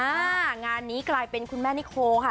งานนี้กลายเป็นคุณแม่นิโคค่ะ